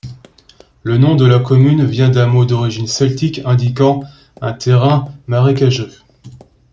Le nom de la commune vient d'un mot d'origine celtique indiquant un terrain marécageux.